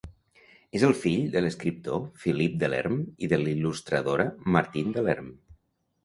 És el fill de l'escriptor Philippe Delerm i de l'il·lustradora Martine Delerm.